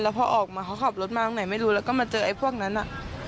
พอออกมาเขาขับรถมาตรงไหนไม่รู้แล้วก็มาเจอไอ้พวกนั้น